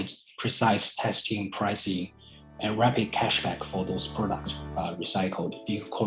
dan memberikan uang untuk menguji harga dan memiliki kembali harga cepat untuk produk yang dikumpulkan